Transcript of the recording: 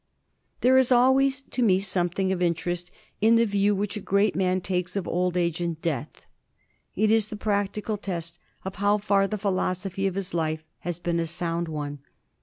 There is always to me something of interest in the view which a great man takes of old age and death. It is the practical test of how far the philosophy of his life has been a sound one.